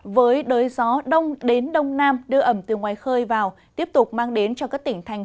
với đới gió đông đến đông nam đưa ẩm từ ngoài khơi vào tiếp tục mang đến cho các tỉnh thành